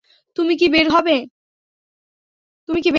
তুমি কি বের হবে?